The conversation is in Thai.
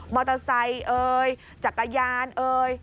มอเตอร์ไซค์เอ่ยจักรยานเอ่ย